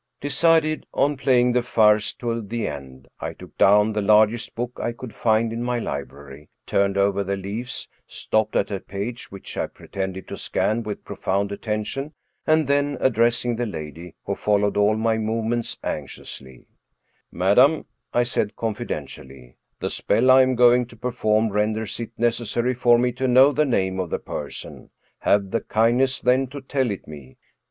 Decided on playing the farce to the end, I took down the largest book I could find in my library, turned over the leaves, stopped at a page which I pretended to scan with profound attention, and then addressing the lady, who followed all my movements anxiously, '* Madam," I said confidentially, " the spell I am going 213 True Stories of Modern Magic to perform renders it necessary for me to know the name of the person ; have the kindness, then, to tell it me."